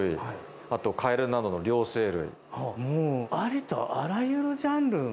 あとカエルなどの両生類。